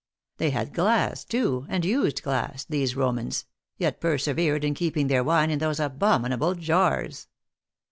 They had glass, too, and used glass, these Romans, yet persevered in keeping their wine in those abominable jars.